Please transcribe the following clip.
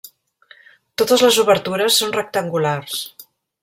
Totes les obertures són rectangulars.